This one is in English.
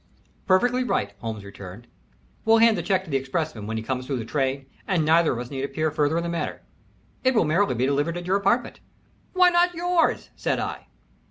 "Perfectly right," Holmes returned. "We'll hand the check to the expressman when he comes through the train, and neither of us need appear further in the matter. It will merely be delivered at your apartment." "Why not yours?" said I.